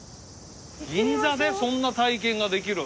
銀座でそんな体験ができる。